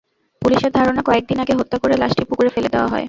পুলিশের ধারণা, কয়েক দিন আগে হত্যা করে লাশটি পুকুরে ফেলে দেওয়া হয়।